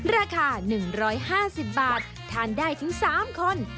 ราคา๑๕๐บาททานได้ถึง๓คน